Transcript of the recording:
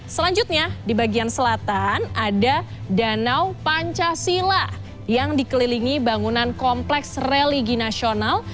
selanjutnya di bagian selatan ada danau pancasila yang dikelilingi bangunan kompleks religi nasional